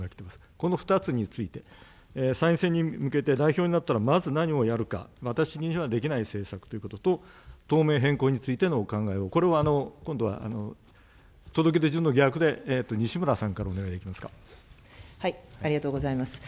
この２つについて、参院選に向けて、代表になったらまず何をやるか、私にはできない政策ということと、党名変更についてのお考えを、これは今度は届け出順の逆で、西村ありがとうございます。